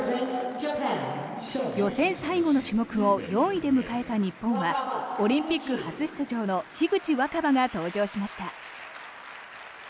予選最後の種目を４位で迎えた日本はオリンピック初出場の樋口新葉が登場しました。